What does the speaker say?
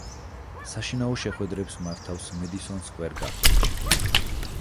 საშინაო შეხვედრებს მართავს მედისონ სკვერ გარდენში.